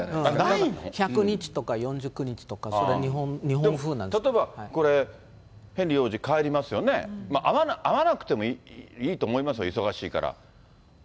だから１００日とか４９日とでも例えばこれ、ヘンリー王子帰りますよね、会わなくてもいいと思いますよ、忙しいから。